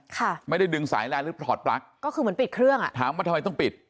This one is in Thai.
ค่ะไม่ได้ดึงสายแลนดหรือปลอดปลั๊กก็คือเหมือนปิดเครื่องอ่ะถามว่าทำไมต้องปิด